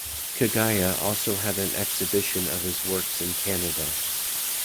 Kagaya also had an exhibition of his works in Canada.